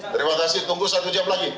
terima kasih tunggu satu jam lagi